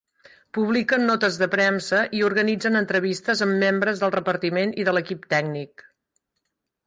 Publiquen notes de premsa i organitzen entrevistes amb membres del repartiment i de l'equip tècnic.